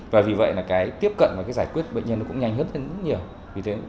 vì vậy tiếp cận và giải quyết bệnh nhân cũng nhanh hơn rất nhiều